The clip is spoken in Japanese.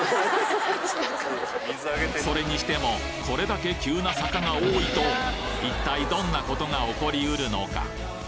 それにしてもこれだけ急な坂が多いと一体どんな事が起こり得るのか？